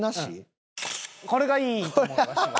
これがいいと思うわしは。